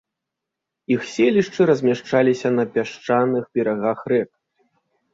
Іх селішчы размяшчаліся на пясчаных берагах рэк.